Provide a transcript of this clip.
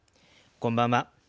こんばんは。